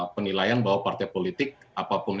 penilaian bahwa partai politik apapun